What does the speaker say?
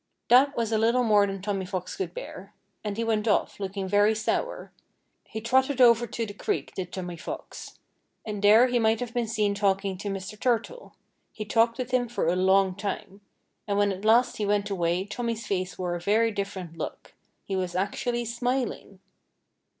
That was a little more than Tommy Fox could bear. And he went off, looking very sour. He trotted over to the creek, did Tommy Fox. And there he might have been seen talking to Mr. Turtle. He talked with him for a long time. And when at last he went away Tommy's face wore a very different look. He was actually smiling.